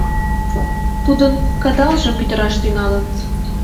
Тудын кыдалжым пӱтыраш тӱҥалын...